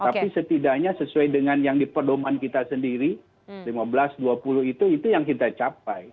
tapi setidaknya sesuai dengan yang di pedoman kita sendiri lima belas dua puluh itu itu yang kita capai